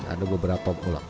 ada beberapa bolak